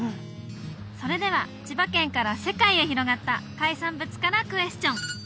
それでは千葉県から世界へ広がった海産物からクエスチョン